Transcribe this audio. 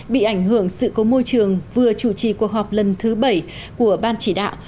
bị ảnh hưởng sự cố môi trường vừa chủ trì cuộc họp lần thứ bảy của ban chỉ đạo